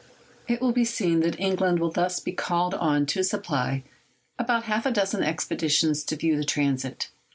It will be seen that England will thus be called on to supply about half a dozen expeditions to view the transit.